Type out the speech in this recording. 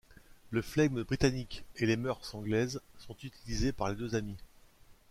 Le flegme britannique et les mœurs anglaises sont utilisés par les deux amis.